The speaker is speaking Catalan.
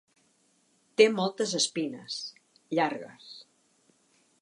Té moltes espines, llargues.